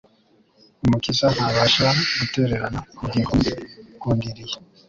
Umukiza ntabasha gutererana ubugingo bw’umugundiriye